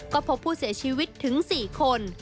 ก็พบผู้เสียชีวิตถึง๔คน